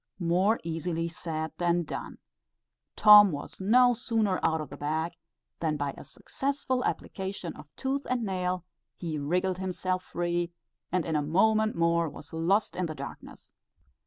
More easily said than done. Tom was no sooner out of the bag, than by a successful application of tooth and nail, he wriggled himself free, and in a moment more was lost in the darkness.